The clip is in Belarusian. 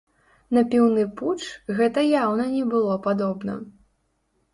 На піўны путч гэта яўна не было падобна.